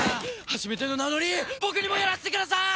初めての名乗り僕にもやらせてください！